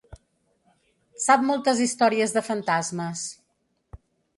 Sap moltes històries de fantasmes.